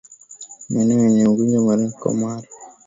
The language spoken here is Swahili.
Maeneo yenye ugonjwa wa mara kwa mara